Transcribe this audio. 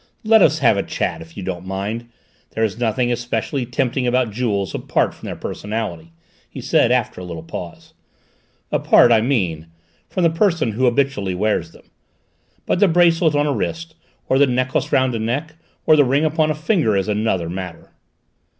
"Let us have a chat, if you don't mind! There is nothing especially tempting about jewels apart from their personality," he said after a little pause, "apart, I mean, from the person who habitually wears them. But the bracelet on a wrist, or the necklace round a neck, or the ring upon a finger is another matter!"